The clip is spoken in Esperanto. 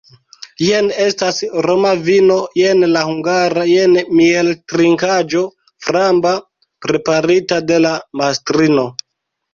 Jen estas roma vino, jen la hungara, jen mieltrinkaĵo framba, preparita de la mastrino!